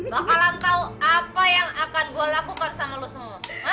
bakalan tahu apa yang akan gue lakukan sama lo semua